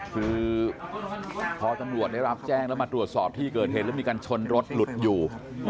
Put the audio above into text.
คือพอตำรวจได้รับแจ้งแล้วมาตรวจสอบที่เกิดเหตุแล้วมีการชนรถหลุดอยู่